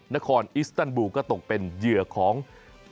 นครอิสตันบลลลก็ตกเป็นเหยื่อของผู้ก่อการร้าย